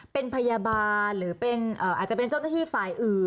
เป็นพยาบาลหรืออาจจะเป็นเจ้าหน้าที่ฝ่ายอื่น